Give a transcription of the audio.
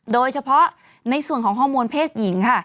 โดยเฉพาะในส่วนของฮอร์โมนเพศหญิงค่ะ